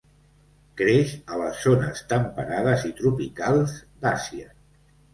Creix a les zones temperades i tropicals d'Àsia.